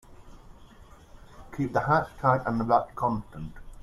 Keep the hatch tight and the watch constant.